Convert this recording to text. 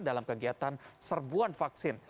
dalam kegiatan serbuan vaksin